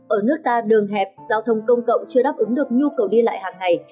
ở nước ta đường hẹp giao thông công cộng chưa đáp ứng được nhu cầu đi lại hàng ngày